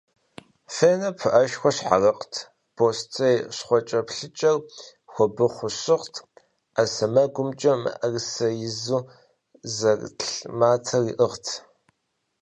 Фенэ пыӏэшхуэ щхьэрыгът, бостей щхъуэкӏэплъыкӏэр хуэбыхъуу щыгът, ӏэ сэмэгумкӏэ мыӏрысэ изу зэрлъ матэр иӏыгът.